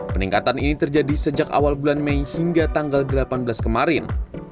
peningkatan ini terjadi sejak awal bulan mei hingga tanggal delapan belas kemarin